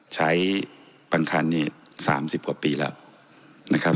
ใช้ปัญหานิด๓๐กว่าปีแล้วนะครับ